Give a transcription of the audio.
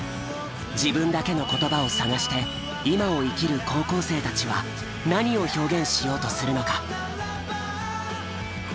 自分だけの言葉を探して今を生きる高校生たちは何を表現しようとするのか。